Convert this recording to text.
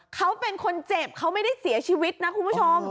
เขาเป็นคนเจ็บเขาไม่ได้เสียชีวิตนะคุณผู้ชม